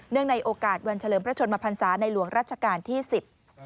เนื่องในโอกาสวันเฉลิมพระชนมภรรษาในหลวงราชการที่๑๐